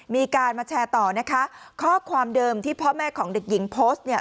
มีการมาแชร์ต่อนะคะข้อความเดิมที่พ่อแม่ของเด็กหญิงโพสต์เนี่ย